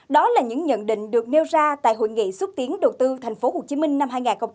đó là những nhận định được nêu ra tại hội nghị xúc tiến đầu tư thành phố hồ chí minh năm hai nghìn một mươi chín